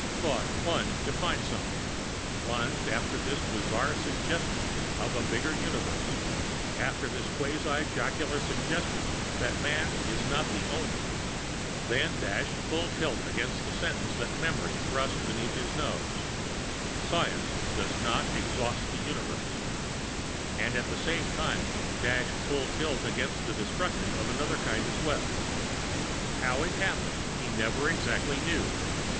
Thought plunged to find something plunged after this bizarre suggestion of a bigger universe, after this quasi jocular suggestion that man is not the only then dashed full tilt against a sentence that memory thrust beneath his nose: "Science does not exhaust the Universe" and at the same time dashed full tilt against destruction of another kind as well...! How it happened, he never exactly knew.